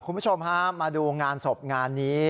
คุณผู้ชมฮะมาดูงานศพงานนี้